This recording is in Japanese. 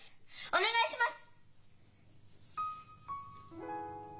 お願いします！